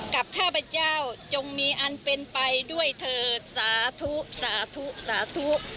ข้าพเจ้าจงมีอันเป็นไปด้วยเถิดสาธุสาธุสาธุ